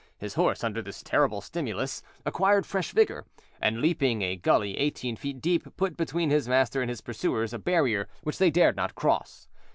His horse, under this terrible stimulus, acquired fresh vigour, and, leaping a gully eighteen feet deep, put between his master and his pursuers a barrier which they dared not cross.